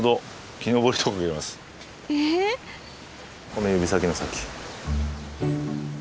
この指先の先。